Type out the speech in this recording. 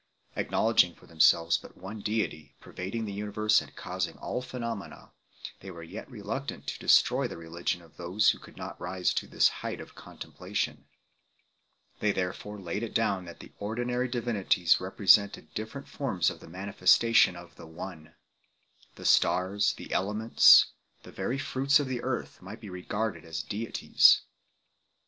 Acknowledging for themselves but one deity, pervading the universe and causing all phenomena, they were yet reluctant to destroy the religion of those who could not rise to this height of contemplation. They therefore laid it down that the ordinary divinities re presented different forms of the manifestation of the One. The stars, the elements, the very fruits of the earth might be regarded as deities.